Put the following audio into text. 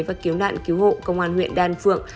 và cứu nạn cứu hộ công an huyện đan phượng